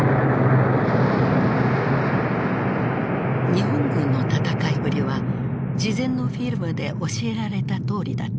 日本軍の戦いぶりは事前のフィルムで教えられたとおりだった。